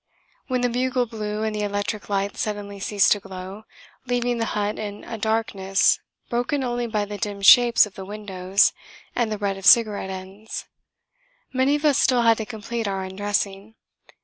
When the bugle blew and the electric lights suddenly ceased to glow, leaving the hut in a darkness broken only by the dim shapes of the windows and the red of cigarette ends, many of us still had to complete our undressing.